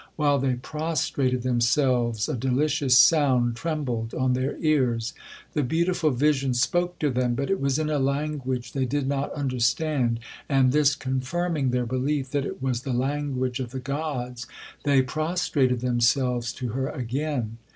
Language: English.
While they prostrated themselves, a delicious sound trembled on their ears. The beautiful vision spoke to them, but it was in a language they did not understand; and this confirming their belief that it was the language of the gods, they prostrated themselves to her again.